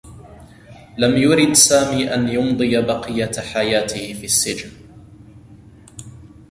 لم يرد سامي أن يمضي بقيّة حياته في السّجن.